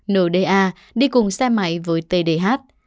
n d a đi cùng xe máy với t d h